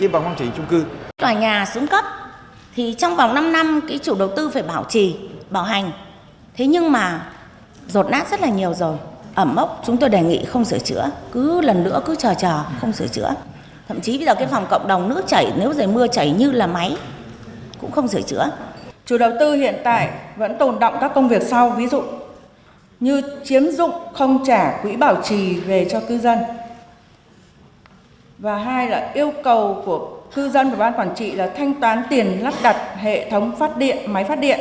ba là yêu cầu của cư dân và ban quản trị là thanh toán nguyên hệ thống máy giữ trong xe quá trình đã sử dụng sau năm năm